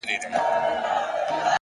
هیله د سختو ورځو ملګرې ده